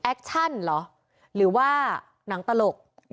แอคชั่นเนี่ยหรอหรือว่าหนังตลก